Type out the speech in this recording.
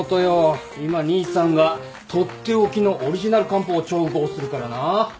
今兄さんが取って置きのオリジナル漢方を調合するからな。